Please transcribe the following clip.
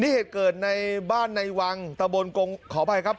นี่เหตุเกิดในบ้านในวังตะบนกงขออภัยครับ